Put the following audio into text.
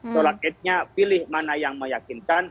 seolah seolah pilih mana yang meyakinkan